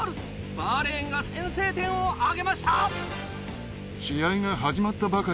バーレーンが先制点を挙げました。